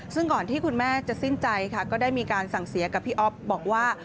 ซึ่งก่อนที่คุณแม่จะสิ้นใจค่ะก็ได้มีการสั่งเสียกับพี่อ๊อฟบอกว่า